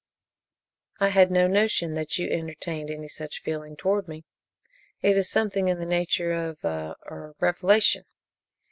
"I had no notion that you entertained any such feeling towards me. It is something in the nature of a er revelation.